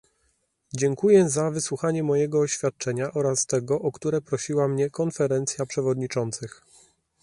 Dziękuję za wysłuchanie mojego oświadczenia oraz tego, o które prosiła mnie Konferencja Przewodniczących